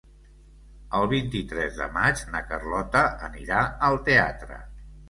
El vint-i-tres de maig na Carlota anirà al teatre.